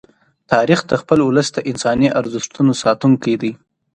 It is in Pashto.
تاریخ د خپل ولس د انساني ارزښتونو ساتونکی دی.